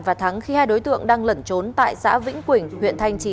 và thắng khi hai đối tượng đang lẩn trốn tại xã vĩnh quỳnh huyện thanh trì